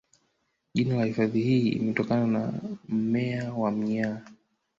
Jina la hifadhi hii limetokana na mmea wa mnyaa